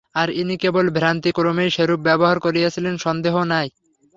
আর ইনি কেবল ভ্রান্তিক্রমেই সেরূপ ব্যবহার করিয়াছিলেন সন্দেহ নাই।